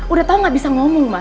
udah tau gak bisa ngomong mas